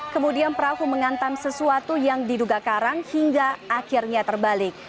kemudian perahu mengantam sesuatu yang diduga karang hingga akhirnya terbalik